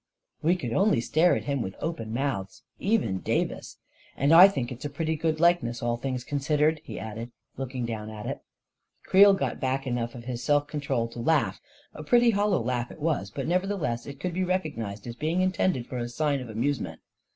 We could only stare at him with open mouths — even Davis ! A KING IN BABYLON 267 " And I think it is a pretty good likeness, all things considered/ 9 he added, looking down at it. Creel got back enough of his self control to laugh — a pretty hollow laugh it was, but nevertheless it could be recognized as being intended for a sign of amusement.